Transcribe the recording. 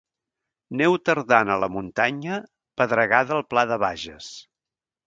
Neu tardana a la muntanya, pedregada al pla de Bages.